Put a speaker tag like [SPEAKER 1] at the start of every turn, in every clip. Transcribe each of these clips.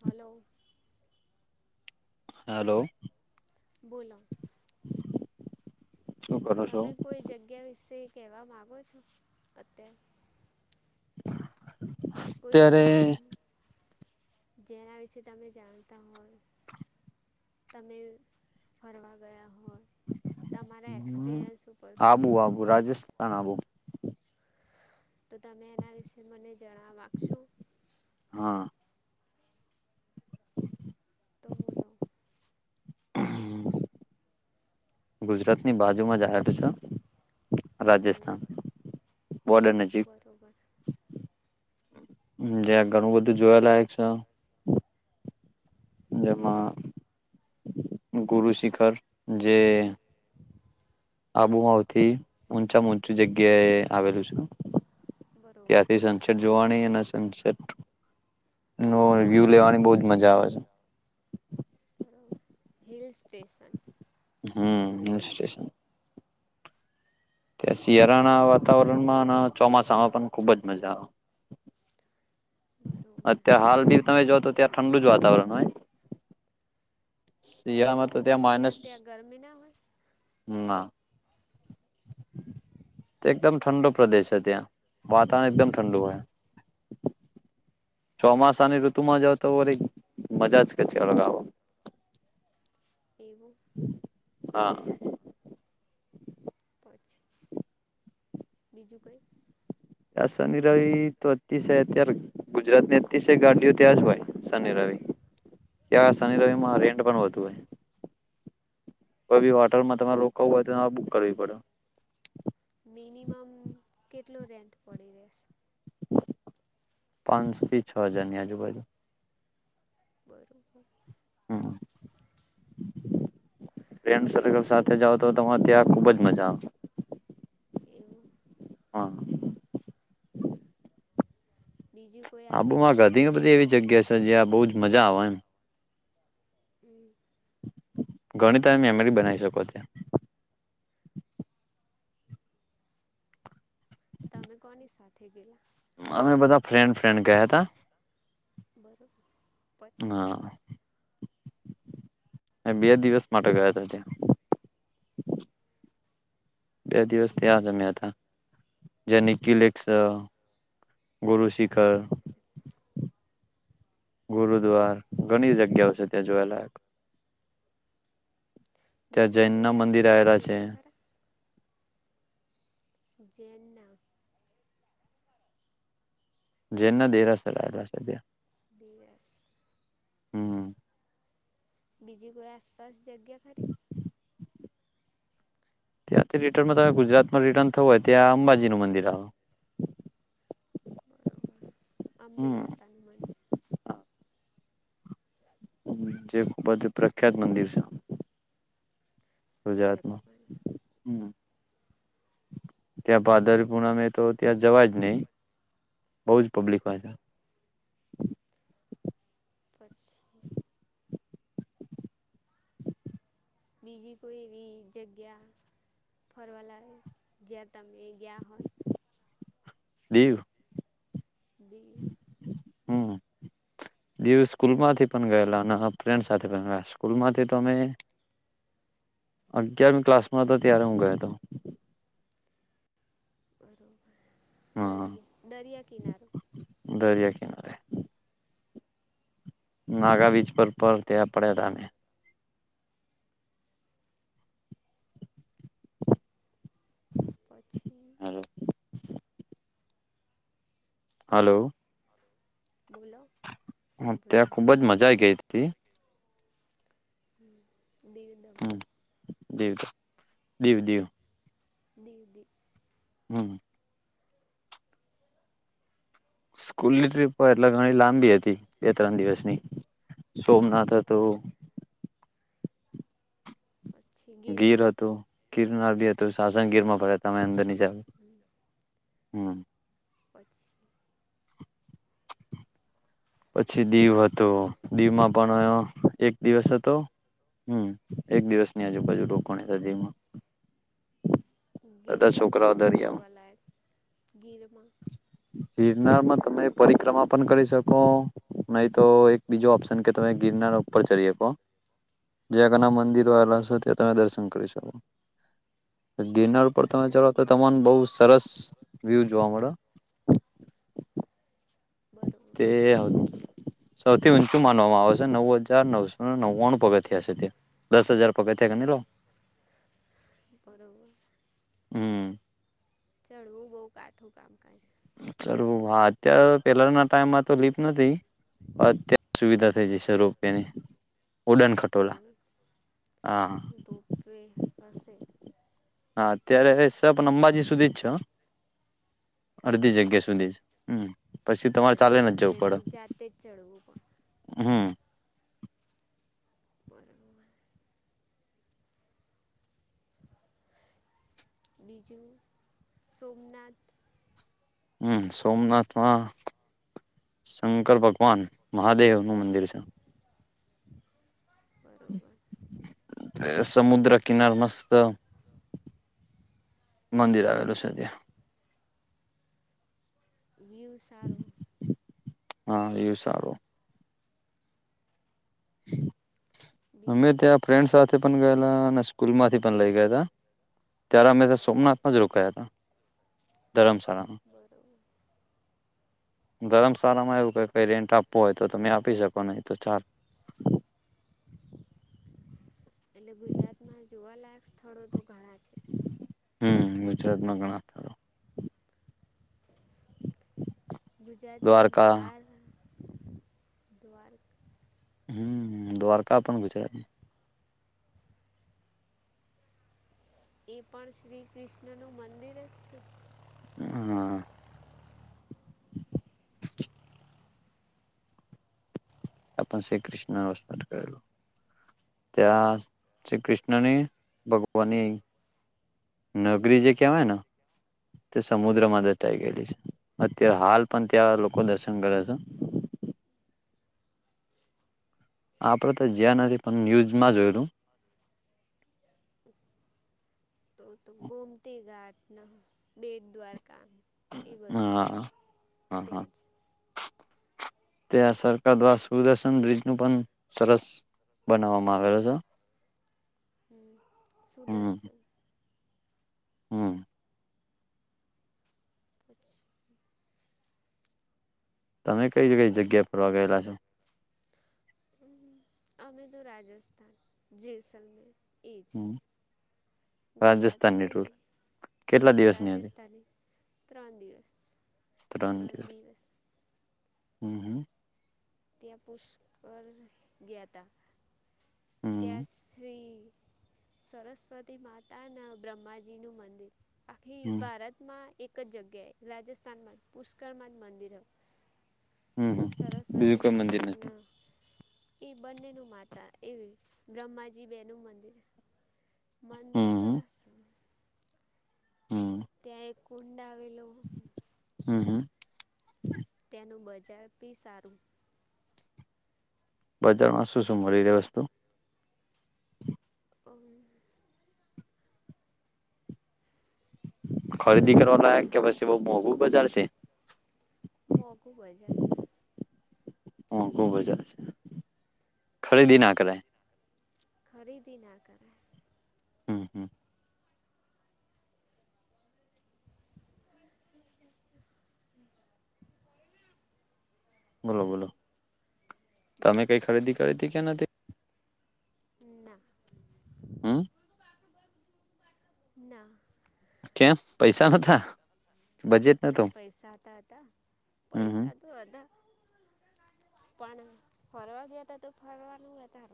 [SPEAKER 1] Hello.
[SPEAKER 2] Hello.
[SPEAKER 1] બોલો.
[SPEAKER 2] [inaudible] કરો છો?
[SPEAKER 1] તમે કોઈ જગ્યા વિશે કેવા માંગો છો? અત્યારે કોઈ
[SPEAKER 2] અત્યારે
[SPEAKER 1] સ્થાન જેના વિશે તમે જાણતા હોય. તમે ફરવા ગયા હો.
[SPEAKER 2] હમ્મા
[SPEAKER 1] ઉપરથી
[SPEAKER 2] આબુ આબુ રાજસ્થાન આબુ.
[SPEAKER 1] તો તમે એના વિશે મને જરા વાકશો
[SPEAKER 2] હા.
[SPEAKER 1] [unintelligible]
[SPEAKER 2] ગુજરાતની બાજુમાં જ આવેલ છે.
[SPEAKER 1] હમ
[SPEAKER 2] રાજસ્થાન બોર્ડર નજીક
[SPEAKER 1] બરોબર
[SPEAKER 2] હમ્મ જ્યાં
[SPEAKER 1] પછી
[SPEAKER 2] ઘણું બધું જોયાલાયક છે. જેમાં ગુરુ શિખર જે આબુમાંવથી ઊંચા ઊંચું જગ્યાએ આવેલું છું.
[SPEAKER 1] બરોબર
[SPEAKER 2] ત્યાંથી સનસેટ જોવાની અને સનસેટ ન વ્યૂ લેવાની બહજ મજા આવે છે.
[SPEAKER 1] Hill station.
[SPEAKER 2] હમ હિલ સ્ટેશન. ત્યા શિયાળાના
[SPEAKER 1] બરોબર
[SPEAKER 2] વાતાવરણમાં અને ચોમાસામાં પણ ખુબ જ મજા આવે.
[SPEAKER 1] બરોબર
[SPEAKER 2] અત્યારે હાલ ભી તમે જો તો ત્યાં ઠંડુ જ વાતાવરણ હોય. [inaudible] માં તો ત્યાં
[SPEAKER 1] અત્યારે
[SPEAKER 2] માઇનસ
[SPEAKER 1] ત્યાં ગરમી ના હોય
[SPEAKER 2] હમ ના. એકદમ ઠંડો પ્રદેશ છે ત્યાં વાતાવરણ એકદમ ઠંડુ હોય. ચોમાસાની ઋતુમાં જઓ તો વરી મજા જ કેચ લગાવો.
[SPEAKER 1] એવું.
[SPEAKER 2] હા.
[SPEAKER 1] બીજું કઈ.
[SPEAKER 2] આ શની રવિ તો અતિસય અત્યારે ગુજરાત ની અતિશય ગાડીઓ ત્યાં જ હોય શનિ રવિ ત્યાં શનિ રવિ
[SPEAKER 1] બરોબર
[SPEAKER 2] માં રેન્ટ પણ વધુ હોય. કોઈ બી હોટલમાં તમારે રોકવુ હોય તો બુક કરવી પડે.
[SPEAKER 1] મિનિમમ કે કેટલું રેન્ટ પડી રેસે?
[SPEAKER 2] પાંચ થી છ હજારની આજુબાજુ.
[SPEAKER 1] બરોબર.
[SPEAKER 2] હમ ફ્રેન્ડ
[SPEAKER 1] પછી
[SPEAKER 2] સર્કલ
[SPEAKER 1] બીજું
[SPEAKER 2] સાથે
[SPEAKER 1] કોઈ
[SPEAKER 2] જાઓ તો તમારે ત્યાં ખુબ જ મજા.
[SPEAKER 1] એવું
[SPEAKER 2] હા
[SPEAKER 1] બીજું કોઈ
[SPEAKER 2] આબુમાં
[SPEAKER 1] આસપાસ
[SPEAKER 2] ઘણી
[SPEAKER 1] જગ્યા
[SPEAKER 2] બધી એવી
[SPEAKER 1] ખરી
[SPEAKER 2] જગ્યા છે જ્યાં બહુ જ મજા આવે એમ.
[SPEAKER 1] હમ.
[SPEAKER 2] ઘણી તમે મેમરી બનાવી શકો છો.
[SPEAKER 1] તમે કોની સાથે ગયેલા?
[SPEAKER 2] અમે બધા ફ્રેન્ડ ફ્રેન્ડ ગયા હતા.
[SPEAKER 1] બરોબર. પછી
[SPEAKER 2] હા. બે દિવસ માટે ગયા હતા ત્યા. બે દિવસ
[SPEAKER 1] હમ
[SPEAKER 2] તયા જ અમેં હતા. જેનિકિલસ, ગુરુ શિખર. ગુરુદ્વાર
[SPEAKER 1] પછી
[SPEAKER 2] ઘણી જગ્યાઓ છે. ત્યાં જોવાલાયક. ત્યાં
[SPEAKER 1] બીજું
[SPEAKER 2] જૈન
[SPEAKER 1] કોઈ
[SPEAKER 2] ના મંદિર
[SPEAKER 1] આસપાસ
[SPEAKER 2] આવેલા છે
[SPEAKER 1] જગ્યા ખરા? જેનના?
[SPEAKER 2] જેનના દેરાસર આવેલા છે ત્યાં.
[SPEAKER 1] ડીવસ.
[SPEAKER 2] હમ હ.
[SPEAKER 1] બીજી કોઈ આસપાસ જગ્યા ખરી
[SPEAKER 2] ત્યાંથી રિટર્નમાં ગુજરાતમાં રિટર્ન થવું હોય ત્યાં અંબાજી નું મંદિર આવે.
[SPEAKER 1] બરોબર અંબે માતાનું મંદિર.
[SPEAKER 2] જે ખૂબ જ પ્રખ્યાત મંદિર છે. ગુજરાતમાં
[SPEAKER 1] બરોબર
[SPEAKER 2] હ. ત્યાં ભાદરપૂર્ણામે તો ત્યાં જવા જ નહી બહ જ પબ્લિકમાં છે.
[SPEAKER 1] પછી? બીજી કોઈ એવી જગ્યા ફરવા લાયક જ્યાં તમે ગયા હોય.
[SPEAKER 2] દીવ.
[SPEAKER 1] દીવ.
[SPEAKER 2] હમ દિવ સ્કૂલ માંથી પણ ગયેલા અને ફ્રેન્ડ સાથે ગ સ્કૂલમાંથી તો અમે અગયારમી ક્લાસમાં હતો ત્યારે હું ગયો હતો.
[SPEAKER 1] બરોબર દરિયા
[SPEAKER 2] હા
[SPEAKER 1] દરિયા કિનારો.
[SPEAKER 2] દરિયા કિનારે નાગા બીચ પર પર તવા પડ્યા હતા અમે.
[SPEAKER 1] પછી પછી બોલો
[SPEAKER 2] હ
[SPEAKER 1] સાંભળું
[SPEAKER 2] ત્યાં ખુબ જ મજા આઈ ગઈ હતી.
[SPEAKER 1] હમ. દિવ દમણ.
[SPEAKER 2] દેવ દેવ.
[SPEAKER 1] [unintelligible]
[SPEAKER 2] હમ. સ્કૂલની ટ્રીપ એટલે ઘણી લાંબી હતી બે ત્રણ દિવસની સોમનાથ હતું.
[SPEAKER 1] પછી
[SPEAKER 2] ગીર
[SPEAKER 1] ગિરનાર
[SPEAKER 2] હતું ગીર. ગિરનાર બી હતું. શાશણ ગીરમાં ભર્યા હતા અંદર ની. જ. હમ.
[SPEAKER 1] [inaudible]
[SPEAKER 2] પછી દીવ હતું દીવમાં પણ એક દિવસ હતો હમ એક દિવસની આજુબાજુ રોકાણી દીવમાં. બધા
[SPEAKER 1] ગિરનારમાં
[SPEAKER 2] છોકરાઓ
[SPEAKER 1] શું
[SPEAKER 2] દરિયામાં
[SPEAKER 1] જોવાલાયક ગીરમાં
[SPEAKER 2] ગિરનારમાં તમે
[SPEAKER 1] સાસણગીર
[SPEAKER 2] પરિક્રમા પણ કરી શકો. નહી તો એક બીજો ઓપ્શન કે તમે ગિરનાર ઉપર ચડી શકો. જે તેના મંદિરો વા ત તમે દર્શ. કરી શકો. ગિરનાર પર તમે ચઢો તો
[SPEAKER 1] સાસણગીર
[SPEAKER 2] તમને બહુ સરસ વ્યુ જોવા મળે. તે
[SPEAKER 1] બરોબર
[SPEAKER 2] સૌથી ઊંચું માનવામાં આવે છે નવ હજાર નવસો નવ્વાણું પગથીયા છે તે દસ હજાર. પગથિયાં ગણી લો.
[SPEAKER 1] [unintelligible]
[SPEAKER 2] હમ.
[SPEAKER 1] ચડવુ, બઉ કાઠું કામકાજ.
[SPEAKER 2] ચડવું, હા. અત્યારે પેલાના ટાઈમમાં તો લીફ્ટ નતી, પણ અત્યારે સુવિધા થઈ જશે રોપવેની. ઉડન ખટોલા
[SPEAKER 1] એવું,
[SPEAKER 2] હા
[SPEAKER 1] રોપવે હશે.
[SPEAKER 2] હા અત્યારે, સ પણ અંબાજી સુધી જ છે હં. અડધી
[SPEAKER 1] બરોબર
[SPEAKER 2] જગ્યા સુધી જ, હમ. પછી તમારે ચાલીને જ જવું પડે,
[SPEAKER 1] અડધેથી જાતે જ ચડવું પણ
[SPEAKER 2] હમ.
[SPEAKER 1] બરોબર. બીજું, સોમનાથ
[SPEAKER 2] હમ, સોમનાથમાં શંકર ભગવાન મહાદેવનું મંદિર છે.
[SPEAKER 1] બરોબર
[SPEAKER 2] તે સમુદ્ર કિનાર મસ્ત મંદિર આવેલું છે ત્યાં.
[SPEAKER 1] વ્યુ સારું
[SPEAKER 2] હા, વ્યુ સારું. અમે
[SPEAKER 1] બીજું
[SPEAKER 2] ત્યાં ફ્રેન્ડ સાથે પન ગયેલા અને સ્કૂલમાંથી પન લઈ ગયા હતા. ત્યારે અમે સોમનાથમાં જ રોકાયા હતા. ધરમસાળામાં.
[SPEAKER 1] બરોબર
[SPEAKER 2] ધરમશાળામાં એવું
[SPEAKER 1] પછી
[SPEAKER 2] ક કંઈ રેન્ટ આપવું હોય તો તમે આપી શકો, નહી તો ચાલ
[SPEAKER 1] એટલે, ગુજરાતમાં જોવાલાયક સ્થળો તો ઘણા છે.
[SPEAKER 2] હમ ગુજરાતમાં ઘણા બધા
[SPEAKER 1] ગુજરાતની
[SPEAKER 2] દ્વારકા
[SPEAKER 1] બાર. [unintelligible]
[SPEAKER 2] હ દ્વારકા પણ પણ ગુજરાતમાં
[SPEAKER 1] એ પણ શ્રી કૃષ્ણનું મંદિર જ છે.
[SPEAKER 2] હા. આપ શ્રી કૃષ્ણ નસ્ન કરેલો ત્યાં શ્રી કૃષ્ણને ભગવાનની નગરી જે કહેવાયને. તે
[SPEAKER 1] હમ
[SPEAKER 2] સમુદ્રમાં દટાઈ ગયેલી છે. અત્યારે હાલ પણ ત્યાં લોકો દર્શન કરે છે. આપણે તો જ્યાં નથી પણ ન્યૂઝમાં જોયલું.
[SPEAKER 1] તો તો ગોમતી ગાટ. ના બેટ દ્વાર.
[SPEAKER 2] હા હા હા.
[SPEAKER 1] ત્યાં જ
[SPEAKER 2] ત્યાં સરકાર દ્વારા સુદર્શન બ્રિજનું પણ સરસ બનાવવામાં આવેલ છે.
[SPEAKER 1] હમ
[SPEAKER 2] હમ
[SPEAKER 1] સુદર્શન
[SPEAKER 2] હમ.
[SPEAKER 1] અચછા
[SPEAKER 2] તમે કઈ કઈ જગ્યા પર ગેલા છો?
[SPEAKER 1] અમે તોું રાજસ્થાન જેસલમે એજ
[SPEAKER 2] રાજસ્થાનની
[SPEAKER 1] ગુજરાતની
[SPEAKER 2] ટુર કેટલા દિવસની હતી
[SPEAKER 1] રાજસ્થની ત્રણ દિવસ ત્રણ દિવસ
[SPEAKER 2] હમ હમ.
[SPEAKER 1] ત્યાં પુષ્કર ગયા તા
[SPEAKER 2] હમ
[SPEAKER 1] ત્યાસરી સરસ્વતી માતા ને બ્રહ્માજી નું મંદિર આખી
[SPEAKER 2] હમ
[SPEAKER 1] ભારતમાં એક જ જગ્યાએ રાજસ્થાનમાં પુષ્કરમાન મંદિર
[SPEAKER 2] હમમ બીજું
[SPEAKER 1] સરસ્વતી
[SPEAKER 2] કોઈ મંદિર નથી.
[SPEAKER 1] માતાના એ બંને ન માતા એવી બ્રહ્માજી બે નું મંદિર
[SPEAKER 2] હમ હમ
[SPEAKER 1] મંદેસરસ
[SPEAKER 2] હમ
[SPEAKER 1] ત્યાં એક ઉન
[SPEAKER 2] [unintelligible]
[SPEAKER 1] તેનું બજાર બી સારું
[SPEAKER 2] બજારમાં શું શું મળી રહેે વસ્તુ. ખરીદી કરવા
[SPEAKER 1] શણગાર
[SPEAKER 2] લાયક કે પછી બઉ મોંઘુ બજાર છે. તે.
[SPEAKER 1] મકું હોજાય.
[SPEAKER 2] હ ખુબ હજાર છે ખરીદી ના કરે.
[SPEAKER 1] ખરીદી ના કરે.
[SPEAKER 2] હમ હમ બોલો બોલો. તમે
[SPEAKER 1] બોલો
[SPEAKER 2] કઈ ખરીદી કરી હતી કે્યા નથી.
[SPEAKER 1] ના.
[SPEAKER 2] હમ.
[SPEAKER 1] ના.
[SPEAKER 2] કેમ પૈસા ન.
[SPEAKER 1] ના પૈસા તો હતા
[SPEAKER 2] હમ હમ
[SPEAKER 1] પૈસા તો હતા. પણ ફરવા ગયા હતા. તો ફરવાનું તાર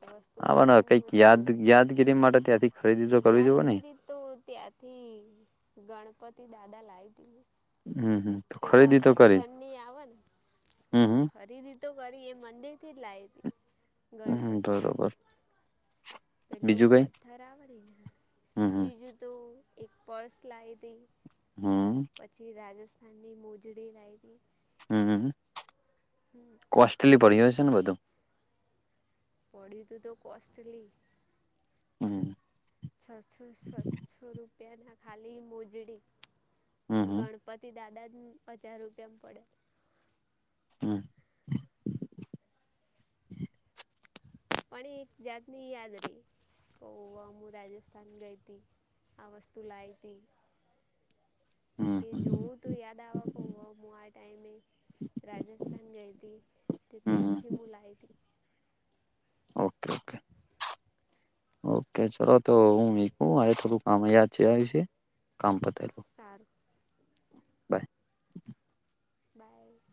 [SPEAKER 1] વસ્તુ
[SPEAKER 2] આવાના
[SPEAKER 1] લાવવાની
[SPEAKER 2] કઈક
[SPEAKER 1] ઓછી
[SPEAKER 2] યાદ
[SPEAKER 1] હોય.
[SPEAKER 2] યાદગીરી માટે ત્યાંથી ખરીદી તો કરવી જોવે ને
[SPEAKER 1] યાદગીરી તો ત્યાંથી ગણપતિ દાદા લાઇટ હતી.
[SPEAKER 2] હમ હમ તો
[SPEAKER 1] પેલા
[SPEAKER 2] ખરીદી તો કરી જ
[SPEAKER 1] પથથર ની આવે ને
[SPEAKER 2] હમ હમ
[SPEAKER 1] ખરીદી તો કરી એ મંદિર થી જ લાવ.
[SPEAKER 2] હમ
[SPEAKER 1] ગણપતિ.
[SPEAKER 2] બરોબર
[SPEAKER 1] પેલો
[SPEAKER 2] બીજું કઈ
[SPEAKER 1] પથ્થર આવડે ને
[SPEAKER 2] હમ
[SPEAKER 1] બીજું તો. એક પર્સ લાઈ હતી.
[SPEAKER 2] હમ
[SPEAKER 1] પછી રાજસ્થાન. અને મોજડી લઈ હતી.
[SPEAKER 2] હમ.
[SPEAKER 1] હમ
[SPEAKER 2] કોસ્ટલી પડી હશે. છે ને બધું.
[SPEAKER 1] પડ્યુતું તો કોસ્ટલી.
[SPEAKER 2] હમ.
[SPEAKER 1] છસો સાતસો રૂપ પિયાના ખાલી મોજડી.
[SPEAKER 2] હમ હમ
[SPEAKER 1] ગણપતિ દાદા હમ, હજાર રૂપિયામં પડે.
[SPEAKER 2] હં.
[SPEAKER 1] પણ એક જાત ની યાદ રહી, ક હું આમ રાજસ્થાન ગઈ તી, આ વસ્તુ લાઈ તી.
[SPEAKER 2] હમ
[SPEAKER 1] એ જોવું તો યાદ આવ, ક હું આ ટાઈમે રાજસ્થાન ગઈ હતી, તે
[SPEAKER 2] હમ હમ
[SPEAKER 1] ત્યાંથી હું લાઈતી.
[SPEAKER 2] Okay, okay. ઓકે, ચલો તો હું મુયકું મારે થોડું કામ યાદ છે આયું છે, કામ પતાઈ.
[SPEAKER 1] સારું.
[SPEAKER 2] બાય.
[SPEAKER 1] બાય.